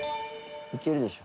行けるでしょ。